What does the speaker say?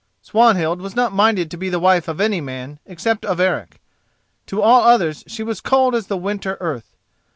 Swanhild was not minded to be the wife of any man, except of Eric; to all others she was cold as the winter earth.